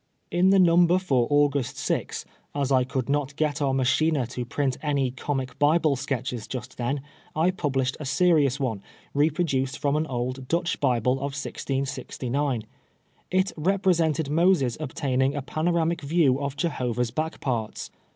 In the number for August 6, as I could not get our machiner to print any Comic Bible Sketches just then, I published a serious one, reproduced from an old Dutch Bible of 1669. It represented Moses obtaining a pano ramic view of Jehovah's back parts.